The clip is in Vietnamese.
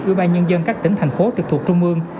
ubnd các tỉnh thành phố trực thuộc trung ương